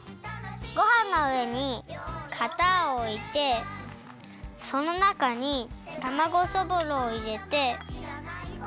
ごはんのうえにかたをおいてそのなかにたまごそぼろをいれて。